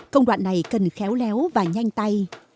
công đoạn này cần khéo léo và nhanh tay